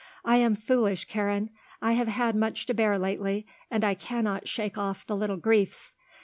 I am foolish, Karen. I have had much to bear lately, and I cannot shake off the little griefs.